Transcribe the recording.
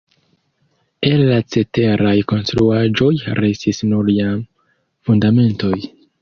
El la ceteraj konstruaĵoj restis nur jam fundamentoj.